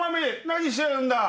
何してるんだ？